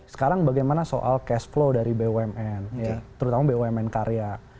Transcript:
sekarang bagaimana soal cash flow dari bumn terutama bumn karya